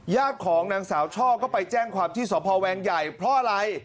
ของนางสาวช่อก็ไปแจ้งความที่สพแวงใหญ่เพราะอะไร